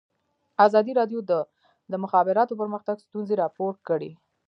ازادي راډیو د د مخابراتو پرمختګ ستونزې راپور کړي.